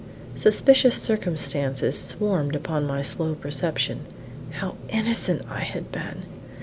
Suspicious circumstances swarmed upon my slow perception: how innocent I had been!